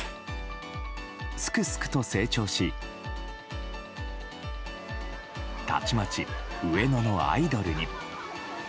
すくすくと成長したちまち、上野のアイドルに。